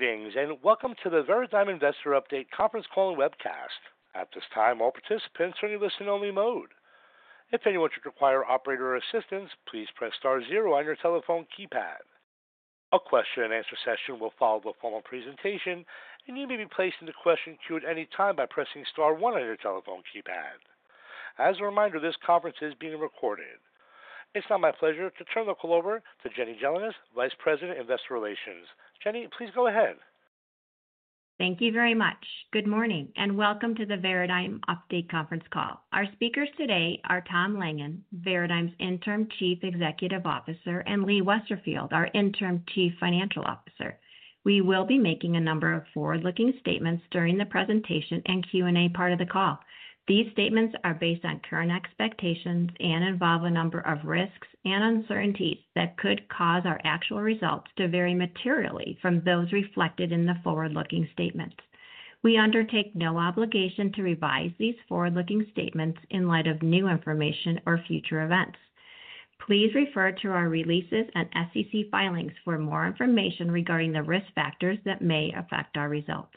Greetings and welcome to the Veradigm Investor Update Conference Call and Webcast. At this time, all participants are in listen-only mode. If anyone should require operator assistance, please press star zero on your telephone keypad. A question-and-answer session will follow the formal presentation, and you may be placed into question queue at any time by pressing star one on your telephone keypad. As a reminder, this conference is being recorded. It's now my pleasure to turn the call over to Jenny Gelinas, Vice President, Investor Relations. Jenny, please go ahead. Thank you very much. Good morning and welcome to the Veradigm Update Conference Call. Our speakers today are Tom Langan, Veradigm's Interim CEO, and Lee Westerfield, our Interim CFO We will be making a number of forward-looking statements during the presentation and Q&A part of the call. These statements are based on current expectations and involve a number of risks and uncertainties that could cause our actual results to vary materially from those reflected in the forward-looking statements. We undertake no obligation to revise these forward-looking statements in light of new information or future events. Please refer to our releases and SEC filings for more information regarding the risk factors that may affect our results.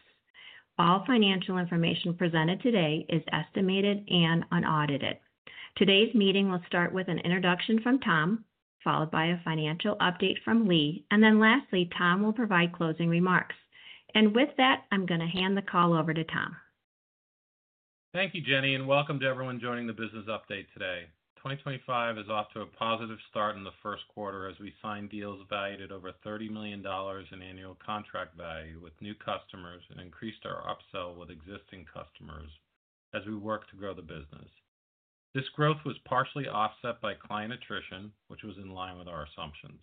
All financial information presented today is estimated and unaudited. Today's meeting will start with an introduction from Tom, followed by a financial update from Lee, and then lastly, Tom will provide closing remarks. With that, I'm going to hand the call over to Tom. Thank you, Jenny, and welcome to everyone joining the business update today. 2025 is off to a positive start in the first quarter as we signed deals valued at over $30 million in annual contract value with new customers and increased our upsell with existing customers as we work to grow the business. This growth was partially offset by client attrition, which was in line with our assumptions.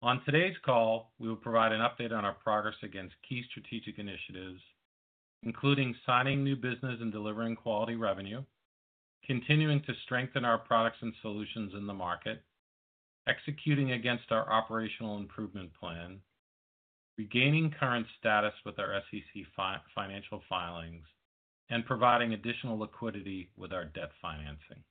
On today's call, we will provide an update on our progress against key strategic initiatives, including signing new business and delivering quality revenue, continuing to strengthen our products and solutions in the market, executing against our operational improvement plan, regaining current status with our SEC financial filings, and providing additional liquidity with our debt financing.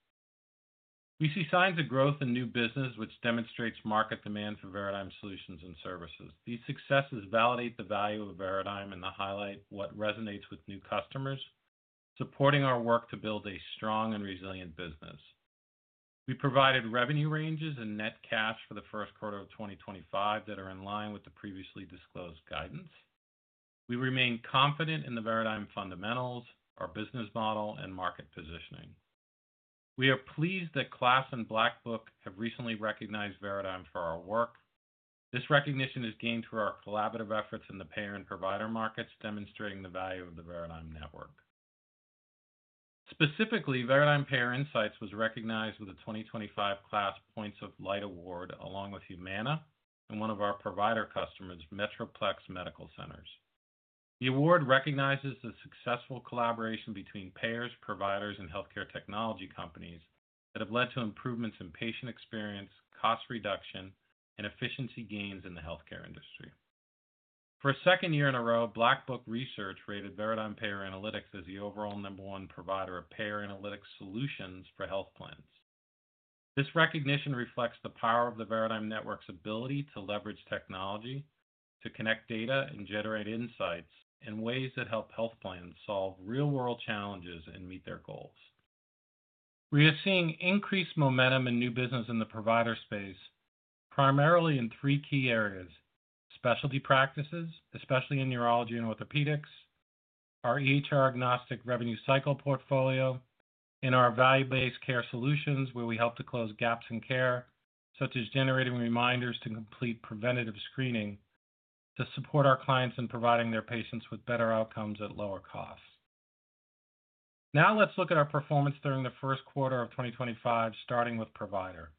We see signs of growth in new business, which demonstrates market demand for Veradigm solutions and services. These successes validate the value of Veradigm and highlight what resonates with new customers, supporting our work to build a strong and resilient business. We provided revenue ranges and net cash for the first quarter of 2025 that are in line with the previously disclosed guidance. We remain confident in the Veradigm fundamentals, our business model, and market positioning. We are pleased that KLAS and Black Book have recently recognized Veradigm for our work. This recognition is gained through our collaborative efforts in the payer and provider markets, demonstrating the value of the Veradigm network. Specifically, Veradigm Payer Insights was recognized with a 2025 KLAS Points of Light Award along with Humana and one of our provider customers, Metroplex Medical Centers. The award recognizes the successful collaboration between payers, providers, and healthcare technology companies that have led to improvements in patient experience, cost reduction, and efficiency gains in the healthcare industry. For a second year in a row, Black Book Research rated Veradigm Payer Analytics as the overall number one provider of payer analytics solutions for health plans. This recognition reflects the power of the Veradigm network's ability to leverage technology to connect data and generate insights in ways that help health plans solve real-world challenges and meet their goals. We are seeing increased momentum in new business in the provider space, primarily in three key areas: specialty practices, especially in urology and orthopedics; our EHR-agnostic revenue cycle portfolio; and our value-based care solutions, where we help to close gaps in care, such as generating reminders to complete preventative screening to support our clients in providing their patients with better outcomes at lower costs. Now let's look at our performance during the first quarter of 2025, starting with provider.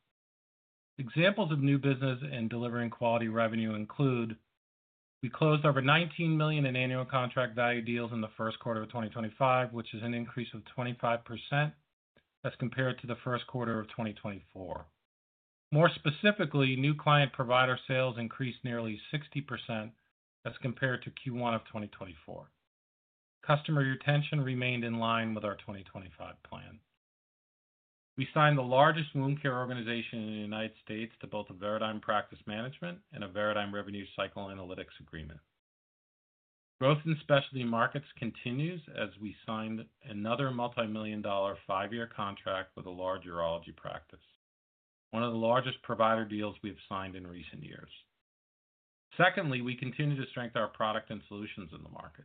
Examples of new business and delivering quality revenue include: we closed over $19 million in annual contract value deals in the first quarter of 2025, which is an increase of 25% as compared to the first quarter of 2024. More specifically, new client provider sales increased nearly 60% as compared to Q1 of 2024. Customer retention remained in line with our 2025 plan. We signed the largest wound care organization in theU.S. to both a Veradigm Practice Management and a Veradigm Revenue Cycle Analytics agreement. Growth in specialty markets continues as we signed another multimillion-dollar five-year contract with a large urology practice, one of the largest provider deals we have signed in recent years. Secondly, we continue to strengthen our product and solutions in the market.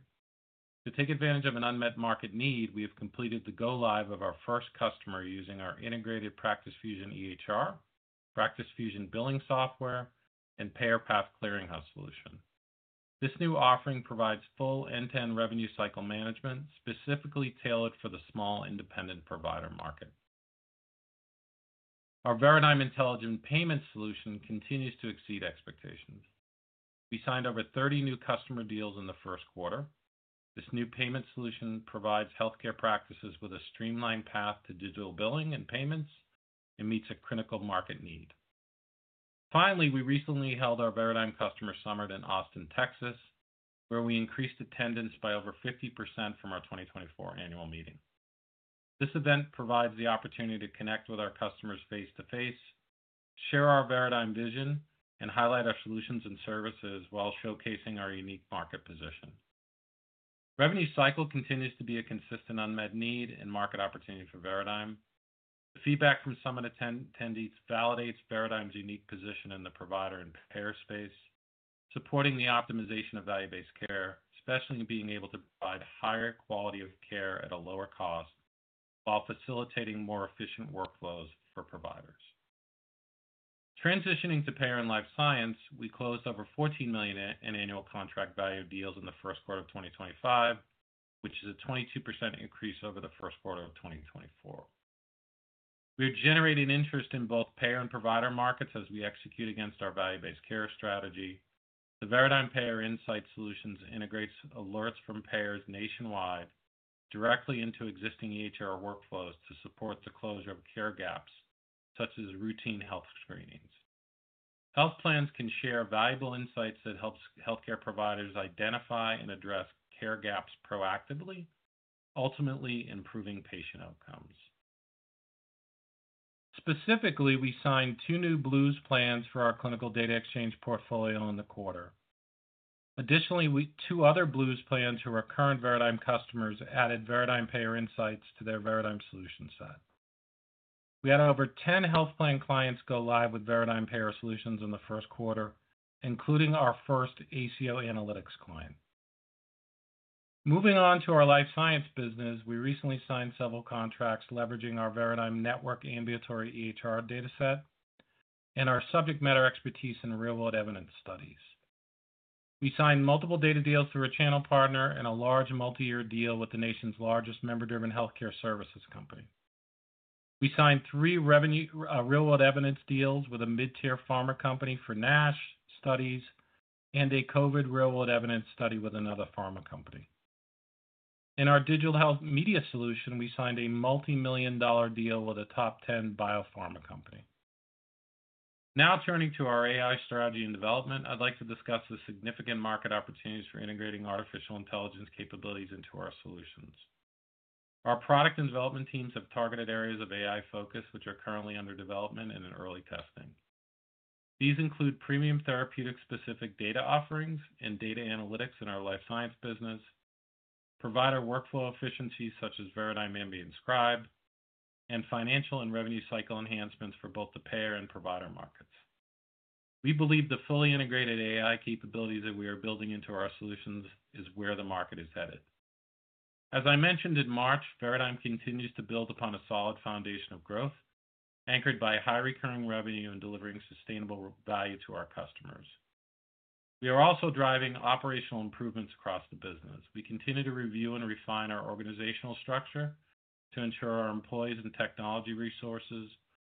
To take advantage of an unmet market need, we have completed the go-live of our first customer using our integrated Practice Fusion EHR, Practice Fusion Billing Software, and PayerPath clearinghouse solution. This new offering provides full end-to-end revenue cycle management specifically tailored for the small independent provider market. Our Veradigm Intelligent Payment Solution continues to exceed expectations. We signed over 30 new customer deals in the first quarter. This new payment solution provides healthcare practices with a streamlined path to digital billing and payments and meets a critical market need. Finally, we recently held our Veradigm customer summit in Austin, Texas, where we increased attendance by over 50% from our 2024 annual meeting. This event provides the opportunity to connect with our customers face-to-face, share our Veradigm vision, and highlight our solutions and services while showcasing our unique market position. Revenue cycle continues to be a consistent unmet need and market opportunity for Veradigm. The feedback from some of the attendees validates Veradigm's unique position in the provider and payer space, supporting the optimization of value-based care, especially in being able to provide higher quality of care at a lower cost while facilitating more efficient workflows for providers. Transitioning to payer and life science, we closed over $14 million in annual contract value deals in the first quarter of 2025, which is a 22% increase over the first quarter of 2024. We are generating interest in both payer and provider markets as we execute against our value-based care strategy. The Veradigm Payer Insights solutions integrate alerts from payers nationwide directly into existing EHR workflows to support the closure of care gaps, such as routine health screenings. Health plans can share valuable insights that help healthcare providers identify and address care gaps proactively, ultimately improving patient outcomes. Specifically, we signed 2 new Blues plans for our clinical data exchange portfolio in the quarter. Additionally, 2 other Blues plans who are current Veradigm customers added Veradigm Payer Insights to their Veradigm solution set. We had over 10 health plan clients go live with Veradigm Payer Solutions in the first quarter, including our first ACO Analytics client. Moving on to our life science business, we recently signed several contracts leveraging our Veradigm Network Ambulatory EHR Dataset and our subject matter expertise in real-world evidence studies. We signed multiple data deals through a channel partner and a large multi-year deal with the nation's largest member-driven healthcare services company. We signed 3 real-world evidence deals with a mid-tier pharma company for NASH studies and a COVID real-world evidence study with another pharma company. In our digital health media solution, we signed a multimillion-dollar deal with a top-ten biopharma company. Now turning to our AI strategy and development, I'd like to discuss the significant market opportunities for integrating artificial intelligence capabilities into our solutions. Our product and development teams have targeted areas of AI focus, which are currently under development and in early testing. These include premium therapeutic-specific data offerings and data analytics in our life science business, provider workflow efficiencies such as Veradigm Ambient Scribe, and financial and revenue cycle enhancements for both the payer and provider markets. We believe the fully integrated AI capabilities that we are building into our solutions is where the market is headed. As I mentioned in March, Veradigm continues to build upon a solid foundation of growth, anchored by high recurring revenue and delivering sustainable value to our customers. We are also driving operational improvements across the business. We continue to review and refine our organizational structure to ensure our employees and technology resources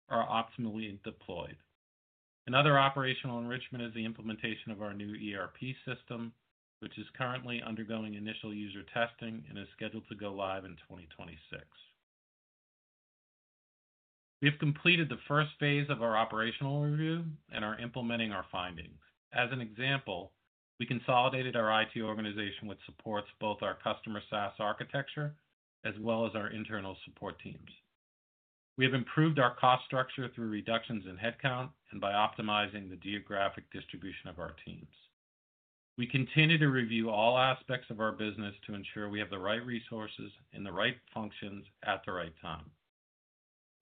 are optimally deployed. Another operational enrichment is the implementation of our new ERP system, which is currently undergoing initial user testing and is scheduled to go live in 2026. We have completed the first phase of our operational review and are implementing our findings. As an example, we consolidated our IT organization which supports both our customer SaaS architecture as well as our internal support teams. We have improved our cost structure through reductions in headcount and by optimizing the geographic distribution of our teams. We continue to review all aspects of our business to ensure we have the right resources and the right functions at the right time.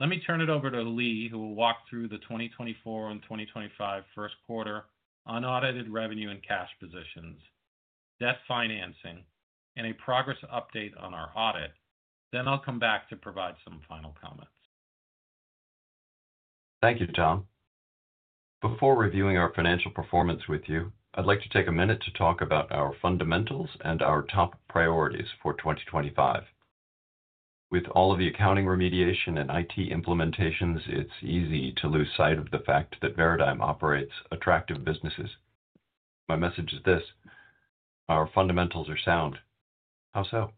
Let me turn it over to Leah, who will walk through the 2024 and 2025 first quarter unaudited revenue and cash positions, debt financing, and a progress update on our audit. I will come back to provide some final comments. Thank you, Tom. Before reviewing our financial performance with you, I'd like to take a minute to talk about our fundamentals and our top priorities for 2025. With all of the accounting remediation and IT implementations, it's easy to lose sight of the fact that Veradigm operates attractive businesses. My message is this: our fundamentals are sound. How so?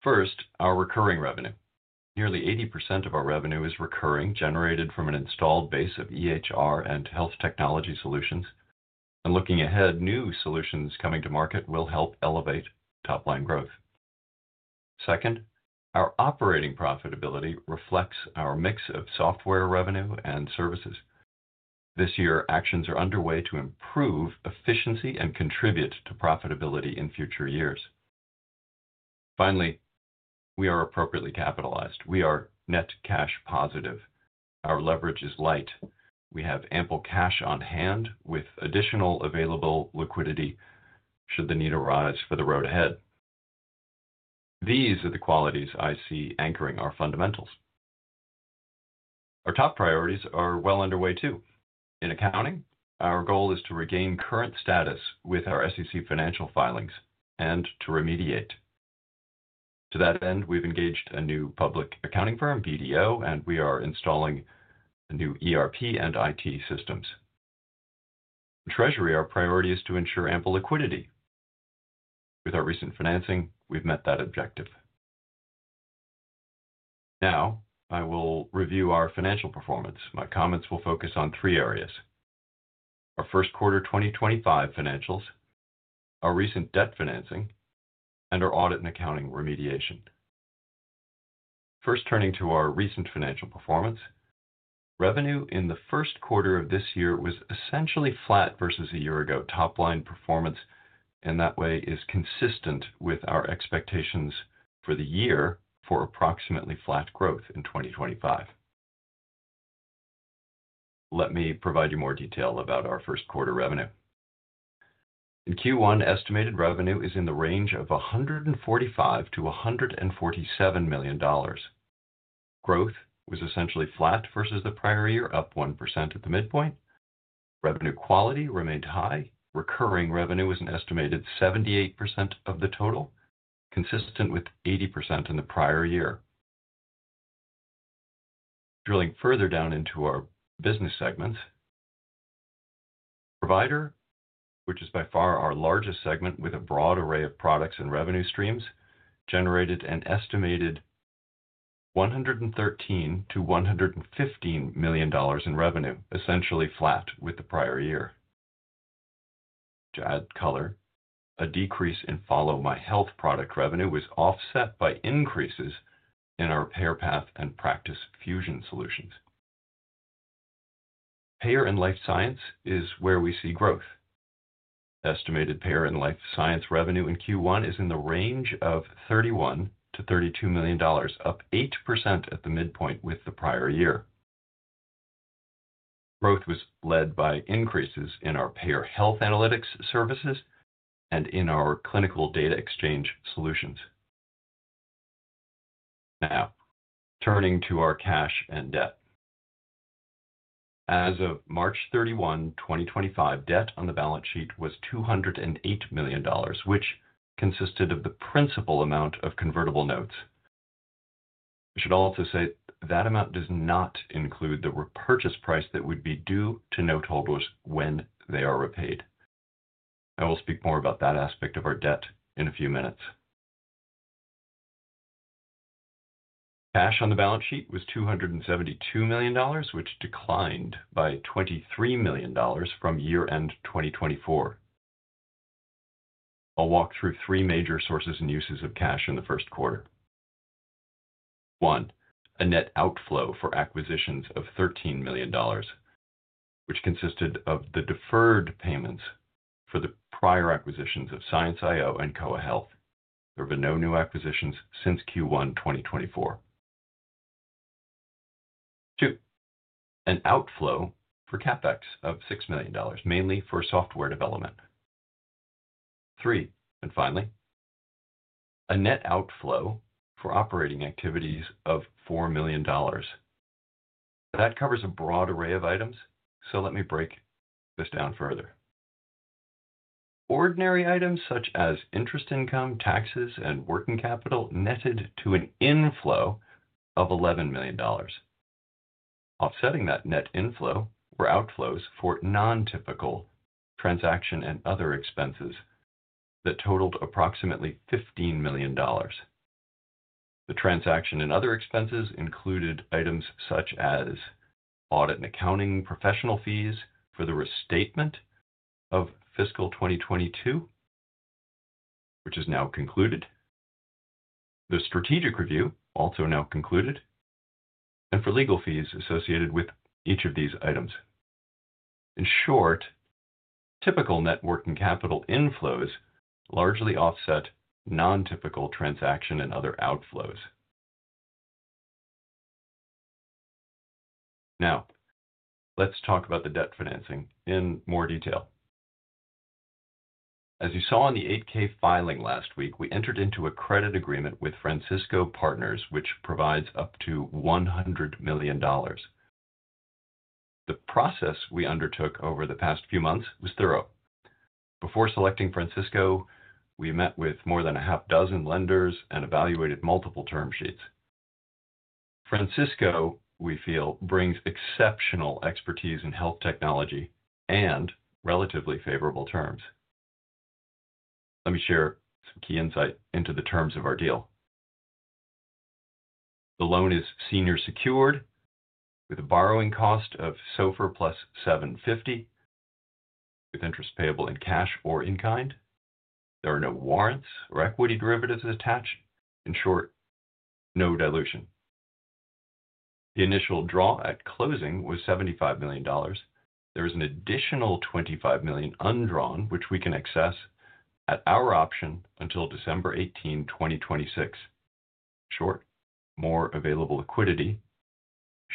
First, our recurring revenue. Nearly 80% of our revenue is recurring, generated from an installed base of EHR and health technology solutions. Looking ahead, new solutions coming to market will help elevate top-line growth. Second, our operating profitability reflects our mix of software revenue and services. This year, actions are underway to improve efficiency and contribute to profitability in future years. Finally, we are appropriately capitalized. We are net cash positive. Our leverage is light. We have ample cash on hand with additional available liquidity should the need arise for the road ahead. These are the qualities I see anchoring our fundamentals. Our top priorities are well underway too. In accounting, our goal is to regain current status with our SEC financial filings and to remediate. To that end, we've engaged a new public accounting firm, BDO, and we are installing a new ERP and IT systems. In treasury, our priority is to ensure ample liquidity. With our recent financing, we've met that objective. Now, I will review our financial performance. My comments will focus on 3 areas: our first quarter 2025 financials, our recent debt financing, and our audit and accounting remediation. First, turning to our recent financial performance, revenue in the first quarter of this year was essentially flat versus a year ago. Top-line performance in that way is consistent with our expectations for the year for approximately flat growth in 2025. Let me provide you more detail about our first quarter revenue. In Q1, estimated revenue is in the range of $145-$147 million. Growth was essentially flat versus the prior year, up 1% at the midpoint. Revenue quality remained high. Recurring revenue was an estimated 78% of the total, consistent with 80% in the prior year. Drilling further down into our business segments, provider, which is by far our largest segment with a broad array of products and revenue streams, generated an estimated $113-$115 million in revenue, essentially flat with the prior year. To add color, a decrease in FollowMyHealth product revenue was offset by increases in our PayerPath and Practice Fusion solutions. Payer and life science is where we see growth. Estimated payer and life science revenue in Q1 is in the range of $31-$32 million, up 8% at the midpoint with the prior year. Growth was led by increases in our payer health analytics services and in our clinical data exchange solutions. Now, turning to our cash and debt. As of March 31, 2025, debt on the balance sheet was $208 million, which consisted of the principal amount of convertible notes. I should also say that amount does not include the repurchase price that would be due to noteholders when they are repaid. I will speak more about that aspect of our debt in a few minutes. Cash on the balance sheet was $272 million, which declined by $23 million from year-end 2024. I'll walk through three major sources and uses of cash in the first quarter. One, a net outflow for acquisitions of $13 million, which consisted of the deferred payments for the prior acquisitions of Science.io and Koa Health. There have been no new acquisitions since Q1 2024. Two, an outflow for CapEx of $6 million, mainly for software development. Three, and finally, a net outflow for operating activities of $4 million. That covers a broad array of items, so let me break this down further. Ordinary items such as interest income, taxes, and working capital netted to an inflow of $11 million. Offsetting that net inflow were outflows for non-typical transaction and other expenses that totaled approximately $15 million. The transaction and other expenses included items such as audit and accounting professional fees for the restatement of fiscal 2022, which is now concluded, the strategic review also now concluded, and for legal fees associated with each of these items. In short, typical networking capital inflows largely offset non-typical transaction and other outflows. Now, let's talk about the debt financing in more detail. As you saw in the 8-K filing last week, we entered into a credit agreement with Francisco Partners, which provides up to $100 million. The process we undertook over the past few months was thorough. Before selecting Francisco, we met with more than a half dozen lenders and evaluated multiple term sheets. Francisco, we feel, brings exceptional expertise in health technology and relatively favorable terms. Let me share some key insight into the terms of our deal. The loan is senior secured with a borrowing cost of SOFR plus 750, with interest payable in cash or in-kind. There are no warrants or equity derivatives attached. In short, no dilution. The initial draw at closing was $75 million. There is an additional $25 million undrawn, which we can access at our option until December 18, 2026. In short, more available liquidity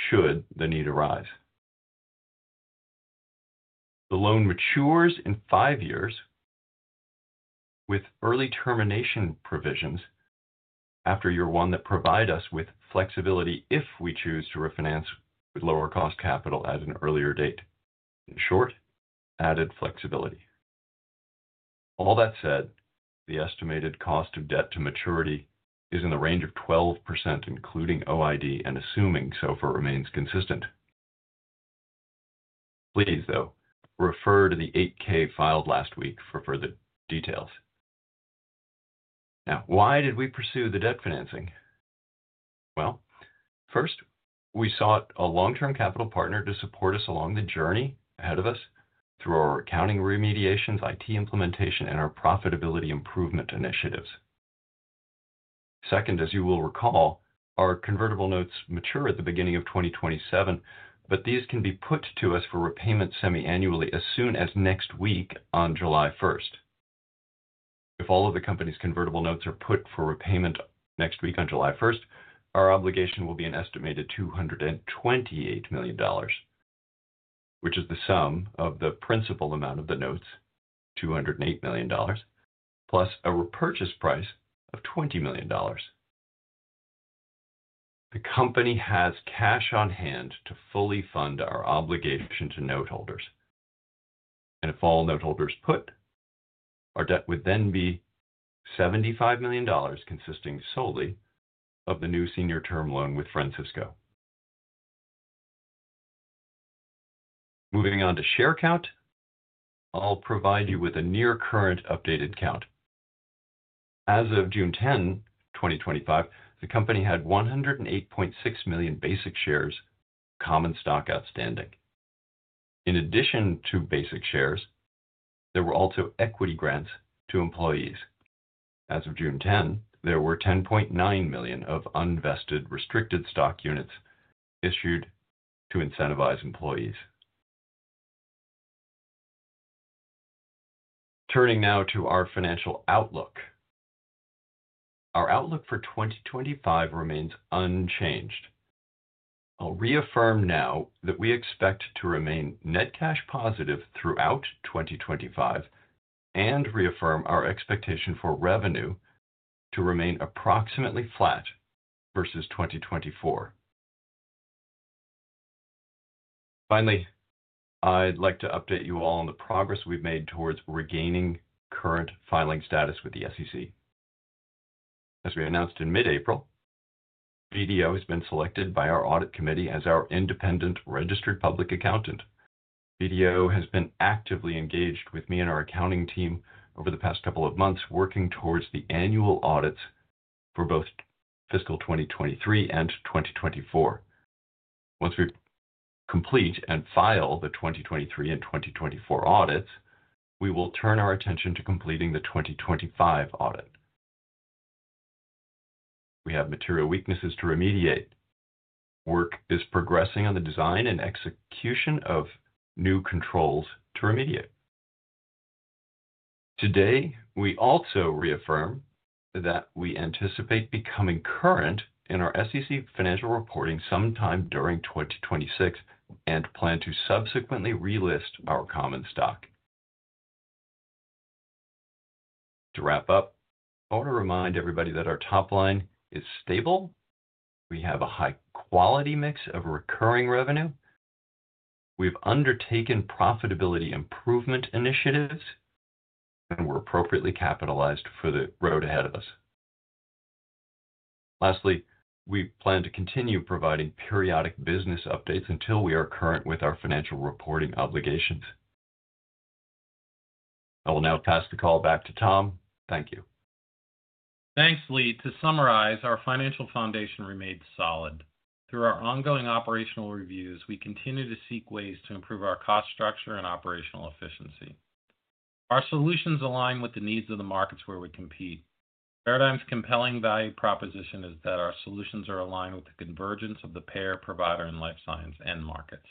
should the need arise. The loan matures in five years with early termination provisions after year one that provide us with flexibility if we choose to refinance with lower-cost capital at an earlier date. In short, added flexibility. All that said, the estimated cost of debt to maturity is in the range of 12%, including OID, and assuming SOFR remains consistent. Please, though, refer to the 8-K filed last week for further details. Now, why did we pursue the debt financing? First, we sought a long-term capital partner to support us along the journey ahead of us through our accounting remediations, IT implementation, and our profitability improvement initiatives. Second, as you will recall, our convertible notes mature at the beginning of 2027, but these can be put to us for repayment semi-annually as soon as next week on July 1. If all of the company's convertible notes are put for repayment next week on July 1, our obligation will be an estimated $228 million, which is the sum of the principal amount of the notes, $208 million, plus a repurchase price of $20 million. The company has cash on hand to fully fund our obligation to noteholders. If all noteholders put, our debt would then be $75 million, consisting solely of the new senior term loan with Francisco Partners. Moving on to share count, I'll provide you with a near-current updated count. As of June 10, 2025, the company had 108.6 million basic shares of common stock outstanding. In addition to basic shares, there were also equity grants to employees. As of June 10, there were 10.9 million of unvested restricted stock units issued to incentivize employees. Turning now to our financial outlook. Our outlook for 2025 remains unchanged. I'll reaffirm now that we expect to remain net cash positive throughout 2025 and reaffirm our expectation for revenue to remain approximately flat versus 2024. Finally, I'd like to update you all on the progress we've made towards regaining current filing status with the SEC. As we announced in mid-April, BDO has been selected by our audit committee as our independent registered public accounting firm. BDO has been actively engaged with me and our accounting team over the past couple of months, working towards the annual audits for both fiscal 2023 and 2024. Once we complete and file the 2023 and 2024 audits, we will turn our attention to completing the 2025 audit. We have material weaknesses to remediate. Work is progressing on the design and execution of new controls to remediate. Today, we also reaffirm that we anticipate becoming current in our SEC financial reporting sometime during 2026 and plan to subsequently relist our common stock. To wrap up, I want to remind everybody that our top line is stable. We have a high-quality mix of recurring revenue. We've undertaken profitability improvement initiatives, and we're appropriately capitalized for the road ahead of us. Lastly, we plan to continue providing periodic business updates until we are current with our financial reporting obligations. I will now pass the call back to Tom. Thank you. Thanks, Lee. To summarize, our financial foundation remains solid. Through our ongoing operational reviews, we continue to seek ways to improve our cost structure and operational efficiency. Our solutions align with the needs of the markets where we compete. Veradigm's compelling value proposition is that our solutions are aligned with the convergence of the payer, provider, and life science end markets.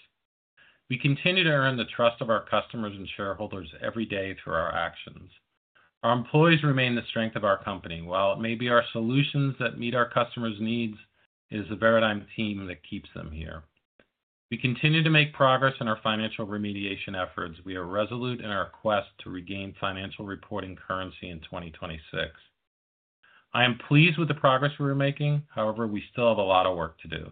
We continue to earn the trust of our customers and shareholders every day through our actions. Our employees remain the strength of our company. While it may be our solutions that meet our customers' needs, it is the Veradigm team that keeps them here. We continue to make progress in our financial remediation efforts. We are resolute in our quest to regain financial reporting currency in 2026. I am pleased with the progress we're making. However, we still have a lot of work to do.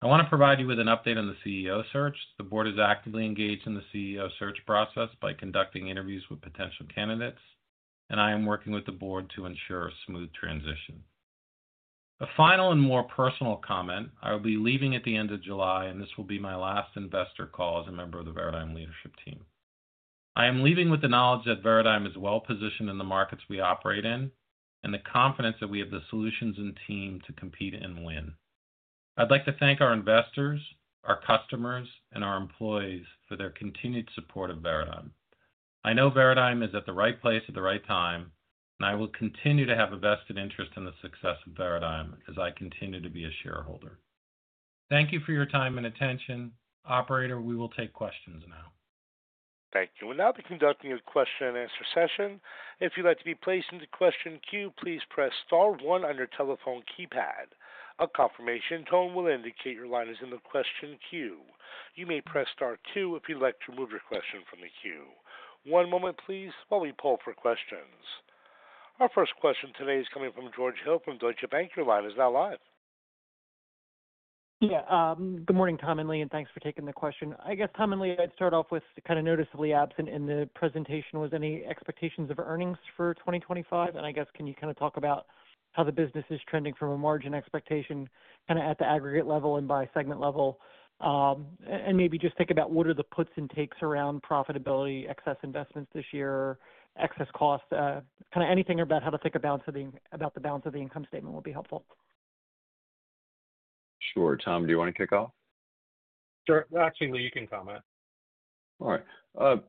I want to provide you with an update on the CEO search. The board is actively engaged in the CEO search process by conducting interviews with potential candidates, and I am working with the board to ensure a smooth transition. A final and more personal comment, I will be leaving at the end of July, and this will be my last investor call as a member of the Veradigm leadership team. I am leaving with the knowledge that Veradigm is well-positioned in the markets we operate in and the confidence that we have the solutions and team to compete and win. I'd like to thank our investors, our customers, and our employees for their continued support of Veradigm. I know Veradigm is at the right place at the right time, and I will continue to have a vested interest in the success of Veradigm as I continue to be a shareholder. Thank you for your time and attention. Operator, we will take questions now. Thank you. We'll now be conducting a question-and-answer session. If you'd like to be placed into question queue, please press Star one on your telephone keypad. A confirmation tone will indicate your line is in the question queue. You may press Star 2 if you'd like to remove your question from the queue. One moment, please, while we pull for questions. Our first question today is coming from George Hill from Deutsche Bank. Your line is now live. Yeah. Good morning, Tom and Lee, and thanks for taking the question. I guess, Tom and Lee, I'd start off with kind of noticeably absent in the presentation was any expectations of earnings for 2025? And I guess, can you kind of talk about how the business is trending from a margin expectation kind of at the aggregate level and by segment level? Maybe just think about what are the puts and takes around profitability, excess investments this year, excess costs, kind of anything about how to think about the balance of the income statement will be helpful. Sure. Tom, do you want to kick off? Sure. Actually, Lee, you can comment. All right.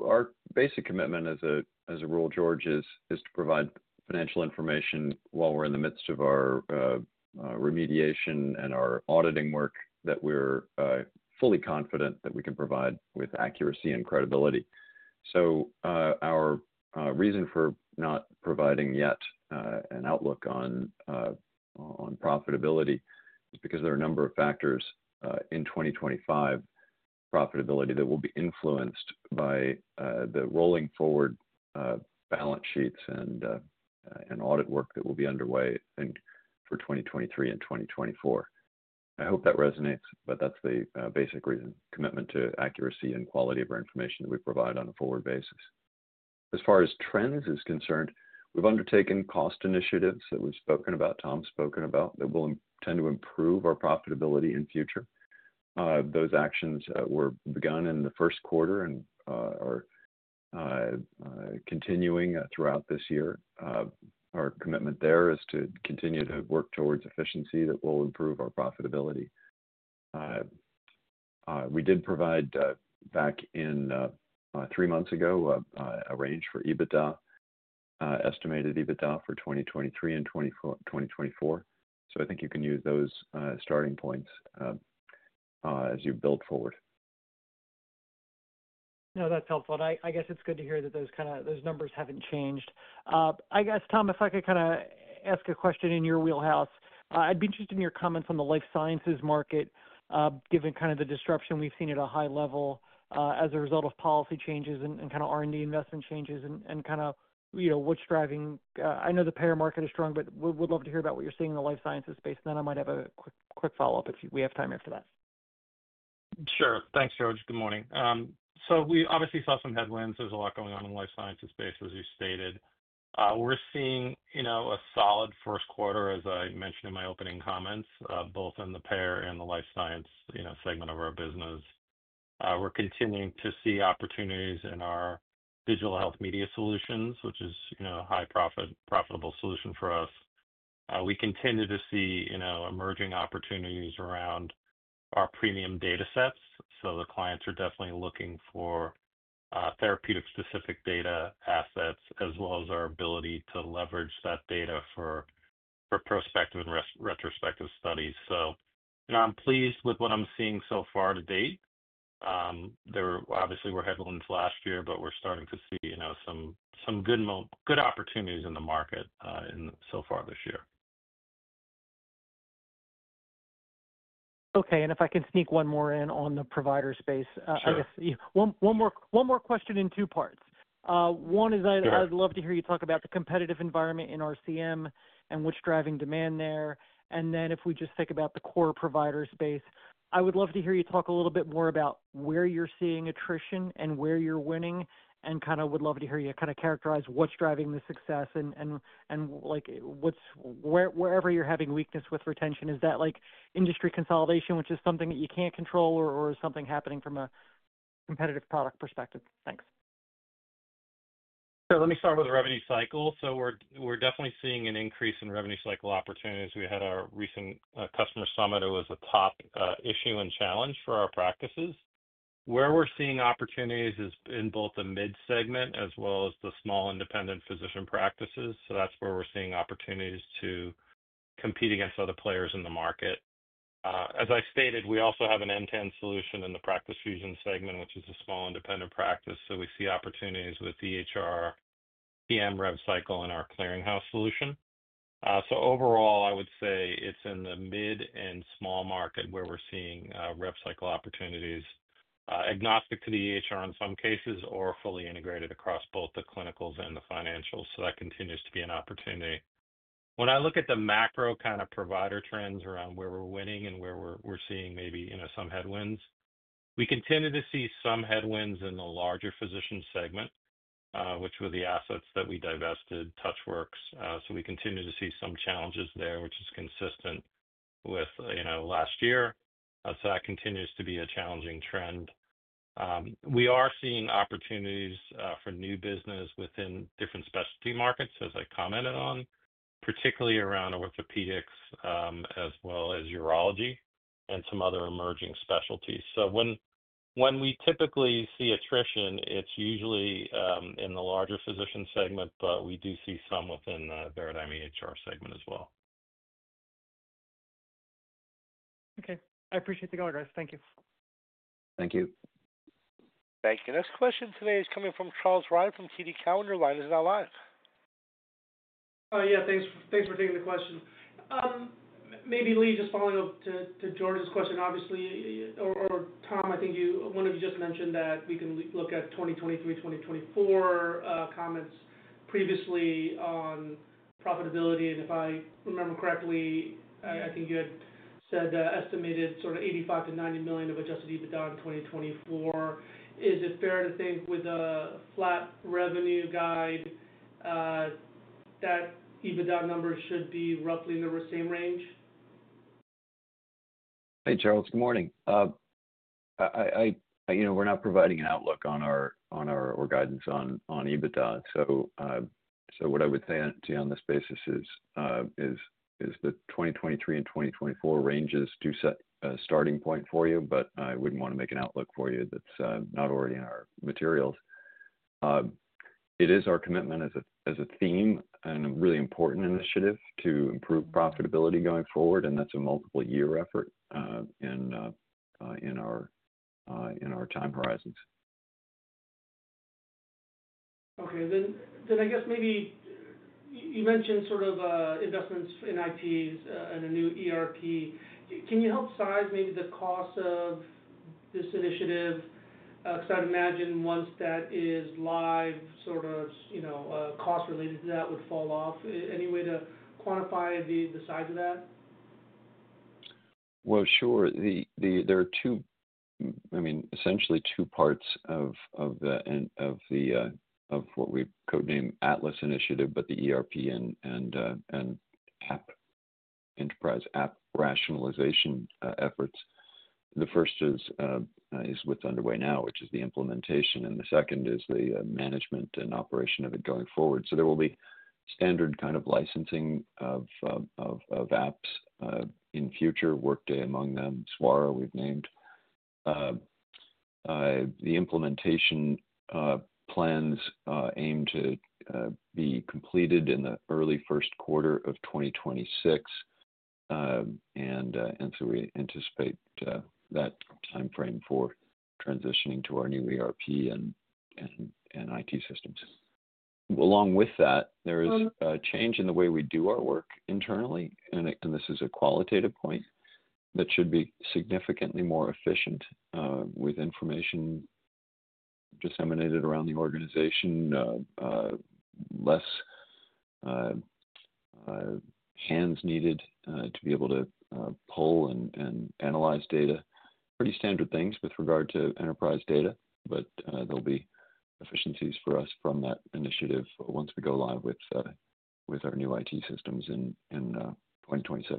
Our basic commitment, as a rule, George, is to provide financial information while we're in the midst of our remediation and our auditing work that we're fully confident that we can provide with accuracy and credibility. Our reason for not providing yet an outlook on profitability is because there are a number of factors in 2025 profitability that will be influenced by the rolling forward balance sheets and audit work that will be underway for 2023 and 2024. I hope that resonates, but that's the basic reason, commitment to accuracy and quality of our information that we provide on a forward basis. As far as trends are concerned, we've undertaken cost initiatives that we've spoken about, Tom's spoken about, that will tend to improve our profitability in future. Those actions were begun in the first quarter and are continuing throughout this year. Our commitment there is to continue to work towards efficiency that will improve our profitability. We did provide back three months ago a range for EBITDA, estimated EBITDA for 2023 and 2024. I think you can use those starting points as you build forward. No, that's helpful. I guess it's good to hear that those numbers haven't changed. I guess, Tom, if I could kind of ask a question in your wheelhouse, I'd be interested in your comments on the life sciences market, given kind of the disruption we've seen at a high level as a result of policy changes and kind of R&D investment changes and kind of what's driving. I know the payer market is strong, but would love to hear about what you're seeing in the life sciences space. I might have a quick follow-up if we have time after that. Sure. Thanks, George. Good morning. We obviously saw some headwinds. There's a lot going on in the life sciences space, as you stated. We're seeing a solid first quarter, as I mentioned in my opening comments, both in the payer and the life sciences segment of our business. We're continuing to see opportunities in our digital health media solutions, which is a high-profitable solution for us. We continue to see emerging opportunities around our premium data sets. The clients are definitely looking for therapeutic-specific data assets, as well as our ability to leverage that data for prospective and retrospective studies. I'm pleased with what I'm seeing so far to date. Obviously, there were headwinds last year, but we're starting to see some good opportunities in the market so far this year. Okay. If I can sneak one more in on the provider space, I guess one more question in two parts. One is I'd love to hear you talk about the competitive environment in RCM and what's driving demand there. If we just think about the core provider space, I would love to hear you talk a little bit more about where you're seeing attrition and where you're winning. I would love to hear you kind of characterize what's driving the success and wherever you're having weakness with retention. Is that industry consolidation, which is something that you can't control, or is something happening from a competitive product perspective? Thanks. Let me start with the revenue cycle. We're definitely seeing an increase in revenue cycle opportunities. We had our recent customer summit. It was a top issue and challenge for our practices. Where we're seeing opportunities is in both the mid-segment as well as the small independent physician practices. That's where we're seeing opportunities to compete against other players in the market. As I stated, we also have an end-to-end solution in the Practice Fusion segment, which is a small independent practice. We see opportunities with EHR, PM, RevCycle, and our clearinghouse solution. Overall, I would say it is in the mid and small market where we are seeing RevCycle opportunities, agnostic to the EHR in some cases or fully integrated across both the clinicals and the financials. That continues to be an opportunity. When I look at the macro kind of provider trends around where we are winning and where we are seeing maybe some headwinds, we continue to see some headwinds in the larger physician segment, which were the assets that we divested, TouchWorks. We continue to see some challenges there, which is consistent with last year. That continues to be a challenging trend. We are seeing opportunities for new business within different specialty markets, as I commented on, particularly around orthopedics as well as urology and some other emerging specialties. When we typically see attrition, it's usually in the larger physician segment, but we do see some within the Veradigm EHR segment as well. Okay. I appreciate the call, guys. Thank you. Thank you. Thank you. Next question today is coming from Charles Ryan from TD Cowen. Line is now live. Oh, yeah. Thanks for taking the question. Maybe Lee, just following up to George's question, obviously, or Tom, I think one of you just mentioned that we can look at 2023, 2024 comments previously on profitability. And if I remember correctly, I think you had said estimated sort of $85 million-$90 million of adjusted EBITDA in 2024. Is it fair to think with a flat revenue guide that EBITDA numbers should be roughly in the same range? Hey, Charles. Good morning. We're not providing an outlook on our guidance on EBITDA. What I would say to you on this basis is the 2023 and 2024 ranges do set a starting point for you, but I wouldn't want to make an outlook for you that's not already in our materials. It is our commitment as a theme and a really important initiative to improve profitability going forward. That's a multiple-year effort in our time horizons. Okay. I guess maybe you mentioned sort of investments in ITs and a new ERP. Can you help size maybe the cost of this initiative? Because I'd imagine once that is live, sort of cost related to that would fall off. Any way to quantify the size of that? There are 2, I mean, essentially 2 parts of what we codename Atlas Initiative, but the ERP and enterprise app rationalization efforts. The first is what is underway now, which is the implementation. The second is the management and operation of it going forward. There will be standard kind of licensing of apps in future, Workday among them, Swara we have named. The implementation plans aim to be completed in the early first quarter of 2026. We anticipate that timeframe for transitioning to our new ERP and IT systems. Along with that, there is a change in the way we do our work internally. This is a qualitative point that should be significantly more efficient with information disseminated around the organization, less hands needed to be able to pull and analyze data. Pretty standard things with regard to enterprise data, but there'll be efficiencies for us from that initiative once we go live with our new IT systems in 2026.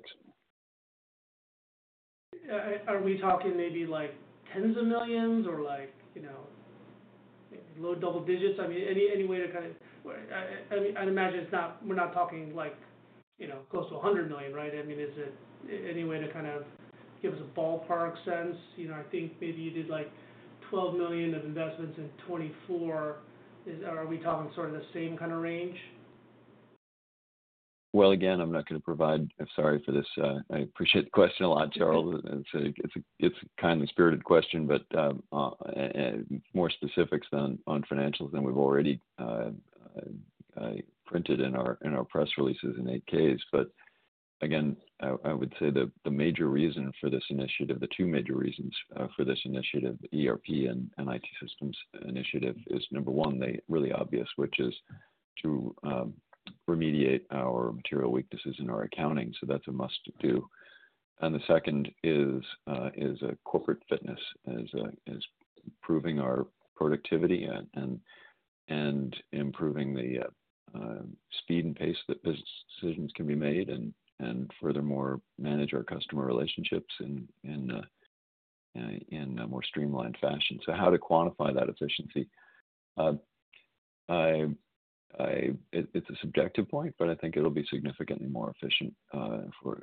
Are we talking maybe like tens of millions or like low double digits? I mean, any way to kind of I'd imagine we're not talking like close to $100 million, right? I mean, is it any way to kind of give us a ballpark sense? I think maybe you did like $12 million of investments in 2024. Are we talking sort of the same kind of range? Again, I'm not going to provide—I'm sorry for this. I appreciate the question a lot, Charles. It's a kindly-spirited question, but more specifics on financials than we've already printed in our press releases and 8Ks. I would say the major reason for this initiative, the two major reasons for this initiative, the ERP and IT systems initiative, is number one, the really obvious, which is to remediate our material weaknesses in our accounting. That's a must-do. The second is corporate fitness, as proving our productivity and improving the speed and pace that business decisions can be made, and furthermore, manage our customer relationships in a more streamlined fashion. How to quantify that efficiency? It's a subjective point, but I think it'll be significantly more efficient for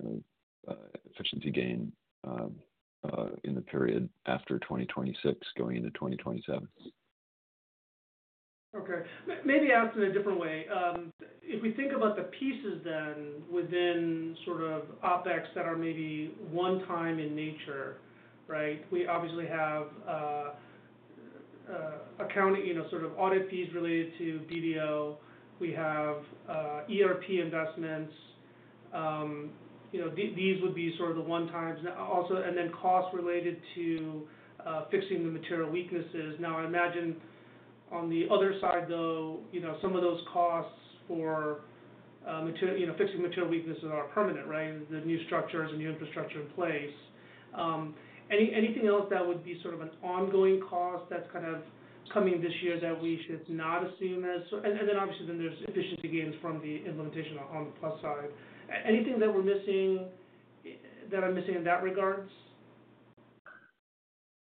efficiency gain in the period after 2026, going into 2027. Okay. Maybe asked in a different way. If we think about the pieces then within sort of OpEx that are maybe one-time in nature, right? We obviously have accounting sort of audit fees related to BDO. We have ERP investments. These would be sort of the one-times. And then costs related to fixing the material weaknesses. Now, I imagine on the other side, though, some of those costs for fixing material weaknesses are permanent, right? The new structure is a new infrastructure in place. Anything else that would be sort of an ongoing cost that's kind of coming this year that we should not assume as? And then obviously, then there's efficiency gains from the implementation on the plus side. Anything that we're missing that I'm missing in that regards?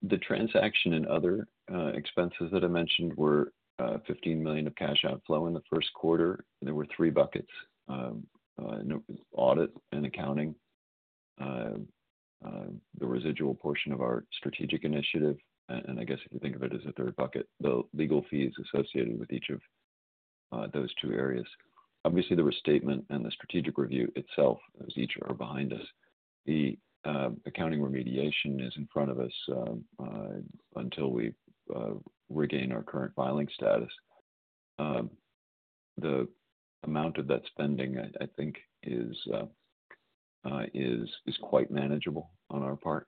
The transaction and other expenses that I mentioned were $15 million of cash outflow in the first quarter. There were three buckets: audit and accounting, the residual portion of our strategic initiative, and I guess if you think of it as a third bucket, the legal fees associated with each of those two areas. Obviously, the restatement and the strategic review itself, those each are behind us. The accounting remediation is in front of us until we regain our current filing status. The amount of that spending, I think, is quite manageable on our part.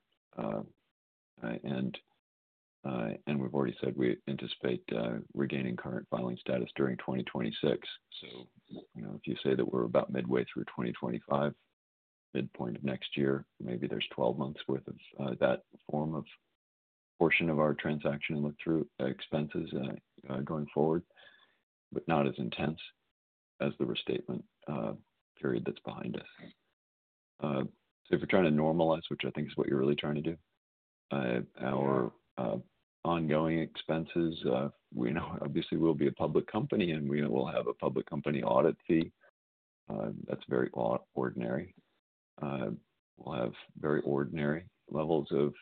We have already said we anticipate regaining current filing status during 2026. If you say that we are about midway through 2025, midpoint of next year, maybe there is 12 months' worth of that form of portion of our transaction and look through expenses going forward, but not as intense as the restatement period that is behind us. If you are trying to normalize, which I think is what you are really trying to do, our ongoing expenses, we know obviously we will be a public company and we will have a public company audit fee. That is very ordinary. We will have very ordinary levels of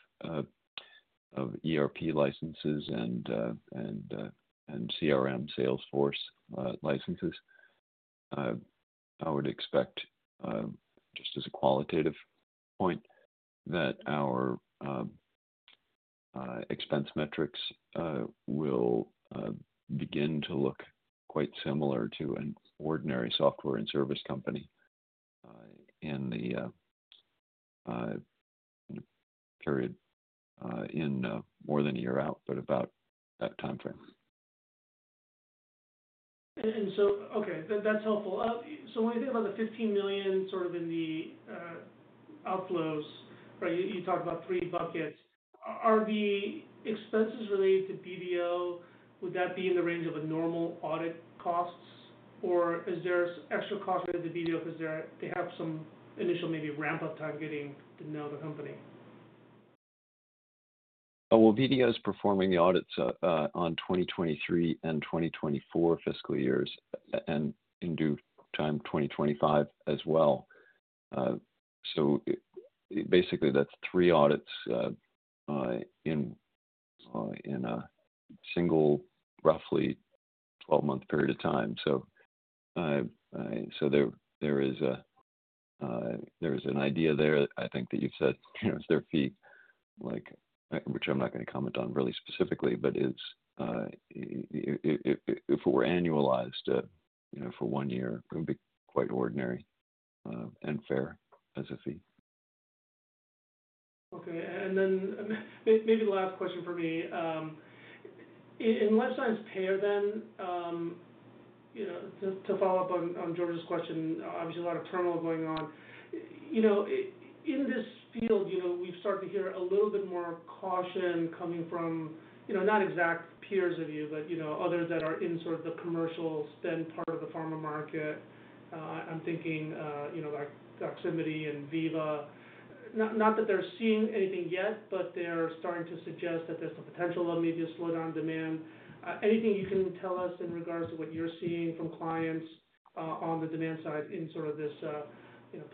ERP licenses and CRM Salesforce licenses. I would expect, just as a qualitative point, that our expense metrics will begin to look quite similar to an ordinary software and service company in the period in more than a year out, but about that timeframe. Okay, that's helpful. When you think about the $15 million sort of in the outflows, right, you talked about three buckets. Are the expenses related to BDO, would that be in the range of normal audit costs, or is there extra cost related to BDO because they have some initial maybe ramp-up time getting to know the company? BDO is performing the audits on 2023 and 2024 fiscal years and in due time 2025 as well. Basically, that's three audits in a single, roughly 12-month period of time. There is an idea there, I think, that you've said is their fee, which I'm not going to comment on really specifically, but if it were annualized for one year, it would be quite ordinary and fair as a fee. Okay. Maybe the last question for me. In life science payer then, to follow up on George's question, obviously a lot of terminal going on. In this field, we've started to hear a little bit more caution coming from not exact peers of you, but others that are in sort of the commercial spend part of the pharma market. I'm thinking like Doximity and Veeva. Not that they're seeing anything yet, but they're starting to suggest that there's the potential of maybe a slowdown demand. Anything you can tell us in regards to what you're seeing from clients on the demand side in sort of this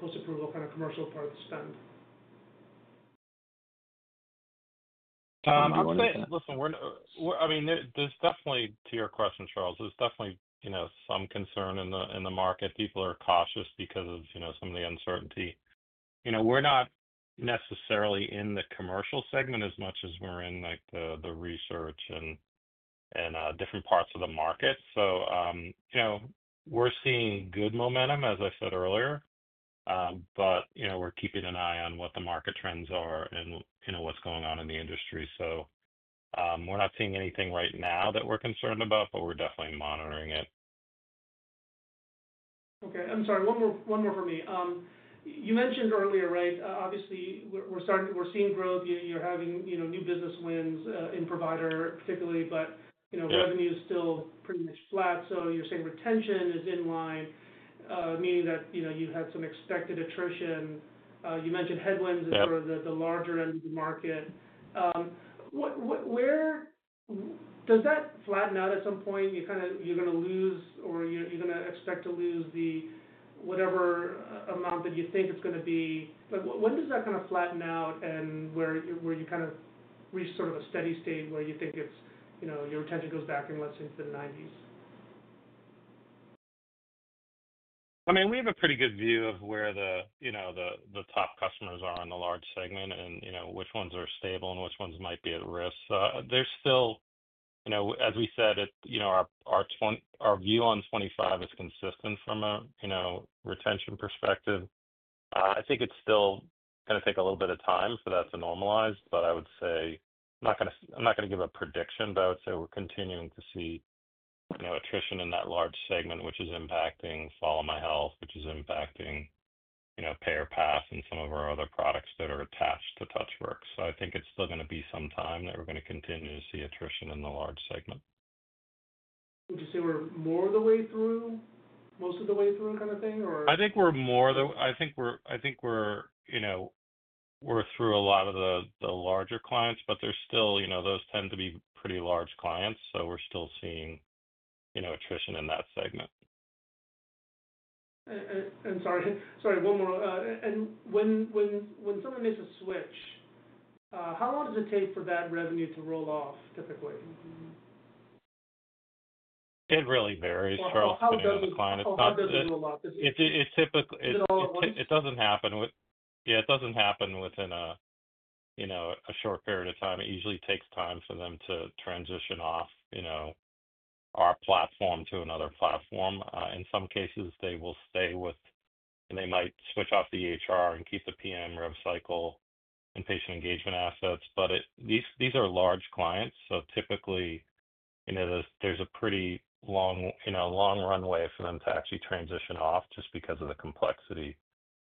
post-approval kind of commercial part of the spend? I would say, listen, I mean, there's definitely, to your question, Charles, there's definitely some concern in the market. People are cautious because of some of the uncertainty. We're not necessarily in the commercial segment as much as we're in the research and different parts of the market. We're seeing good momentum, as I said earlier, but we're keeping an eye on what the market trends are and what's going on in the industry. We're not seeing anything right now that we're concerned about, but we're definitely monitoring it. Okay. I'm sorry. One more for me. You mentioned earlier, right? Obviously, we're seeing growth. You're having new business wins in provider, particularly, but revenue is still pretty much flat. You're saying retention is in line, meaning that you had some expected attrition. You mentioned headwinds in sort of the larger end of the market. Does that flatten out at some point? You're going to lose or you're going to expect to lose whatever amount that you think it's going to be. When does that kind of flatten out and where you kind of reach sort of a steady state where you think your retention goes back and let's say into the 90s? I mean, we have a pretty good view of where the top customers are in the large segment and which ones are stable and which ones might be at risk. There's still, as we said, our view on 2025 is consistent from a retention perspective. I think it's still going to take a little bit of time for that to normalize, but I would say I'm not going to give a prediction, but I would say we're continuing to see attrition in that large segment, which is impacting FollowMyHealth, which is impacting PayerPath and some of our other products that are attached to Touchworks. I think it's still going to be some time that we're going to continue to see attrition in the large segment. Would you say we're more of the way through, most of the way through kind of thing, or? I think we're through a lot of the larger clients, but those tend to be pretty large clients. We're still seeing attrition in that segment. Sorry, one more. When someone makes a switch, how long does it take for that revenue to roll off typically? It really varies, Charles. How does it roll off? It does not happen. Yeah, it does not happen within a short period of time. It usually takes time for them to transition off our platform to another platform. In some cases, they will stay with, and they might switch off the EHR and keep the PM rev cycle and patient engagement assets. These are large clients. Typically, there is a pretty long runway for them to actually transition off just because of the complexity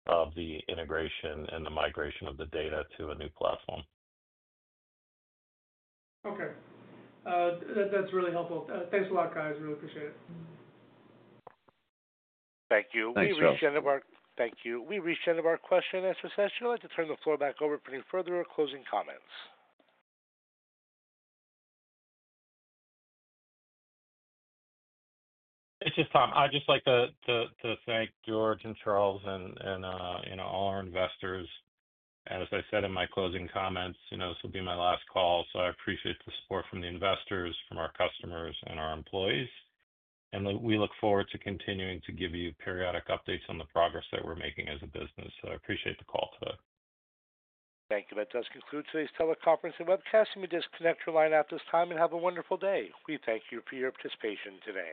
of the integration and the migration of the data to a new platform. Okay. That is really helpful. Thanks a lot, guys. Really appreciate it. Thank you. We reshedded our question as success. Would you like to turn the floor back over for any further closing comments? Hey, just Tom. I'd just like to thank George and Charles and all our investors. As I said in my closing comments, this will be my last call. I appreciate the support from the investors, from our customers, and our employees. We look forward to continuing to give you periodic updates on the progress that we're making as a business. I appreciate the call today. Thank you. That does conclude today's teleconference and webcast. You may disconnect your line at this time and have a wonderful day. We thank you for your participation today.